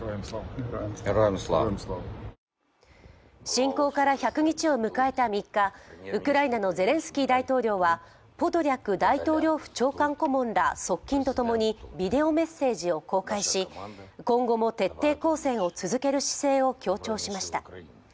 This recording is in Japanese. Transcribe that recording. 侵攻から１００日を迎えた３日、ウクライナのゼレンスキー大統領はポドリャク大統領府長官顧問ら側近とともにビデオメッセージを公開し今後も徹底抗戦を続ける姿勢を強調しました。